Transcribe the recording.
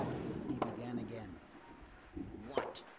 He began again:— "What!